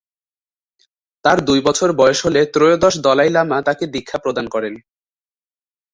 তার দুই বছর বয়স হলে ত্রয়োদশ দলাই লামা তাকে দীক্ষা প্রদান করেন।